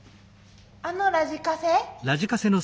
あのラジカセ？